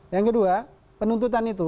yang kedua penuntutan itu